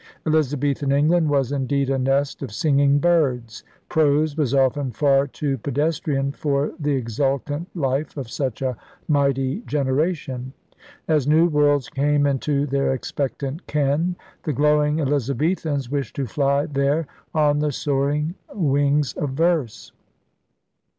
Elizabethan England was indeed 'a nest of singing birds.' Prose was often far too pedestrian for the exultant life of such a mighty generation. As new worlds came into their expectant ken, the glowing Elizabethans wished to fly there on the soaring wings of verse.